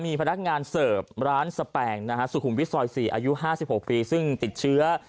มีพนักงานเสิร์ฟร้านสแปงนะฮะสุขุมวิทซอย๔อายุ๕๖ปีซึ่งติดเชื้อ